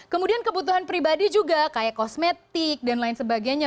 kemudian kebutuhan pribadi juga kayak kosmetik dan lain sebagainya